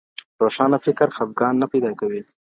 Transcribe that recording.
روښانه فکر خپګان نه پیدا کوي.